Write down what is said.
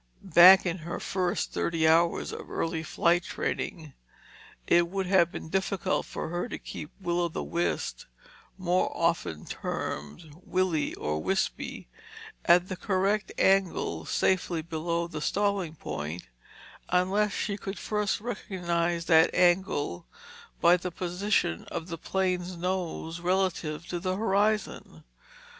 Back in her first thirty hours of early flight training, it would have been difficult for her to keep Will o' the Wisp (more often termed Willie or Wispy) at the correct angle safely below the stalling point, unless she could first recognize that angle by the position of the plane's nose relative to the horizon.